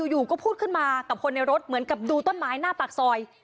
อยู่ก็พูดขึ้นมากับคนในรถเหมือนกับดูต้นไม้หน้าปากซอย